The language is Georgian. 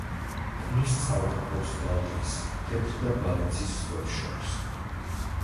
ქმნის წყალგამყოფს ბალტიის, თეთრ და ბარენცის ზღვებს შორის.